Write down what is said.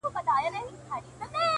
دا غرونه ، غرونه دي ولاړ وي داسي،